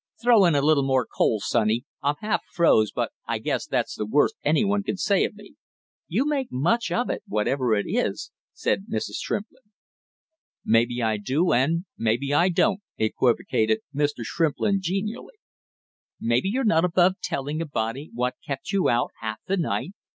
"Throw in a little more coal, sonny; I'm half froze, but I guess that's the worst any one can say of me!" "You make much of it, whatever it is," said Mrs. Shrimplin. "Maybe I do and maybe I don't," equivocated Mr. Shrimplin genially. "Maybe you're not above telling a body what kept you out half the night?"